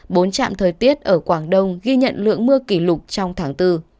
bốn trạm thời tiết ở quảng đông ghi nhận lượng mưa kỷ lục trong tháng bốn